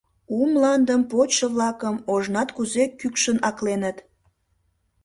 У мландым почшо-влакым ожнат кузе кӱкшын акленыт.